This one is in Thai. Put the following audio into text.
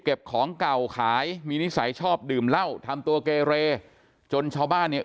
ของเก่าขายมีนิสัยชอบดื่มเหล้าทำตัวเกเรจนชาวบ้านเนี่ย